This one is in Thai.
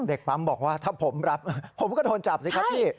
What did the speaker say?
เด็กปั๊มบอกว่าถ้าผมรับผมก็โดนจับสิครับพี่